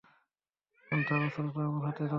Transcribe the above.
Gunther, অস্ত্রটা আমার হাতে দাও তো।